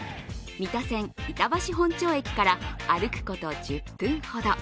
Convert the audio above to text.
三田線・板橋本町駅から歩くこと１０分ほど。